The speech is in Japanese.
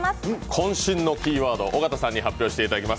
こん身のキーワードを尾形さんに発表していただきます。